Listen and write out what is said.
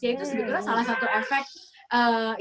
itu sebetulnya salah satu efek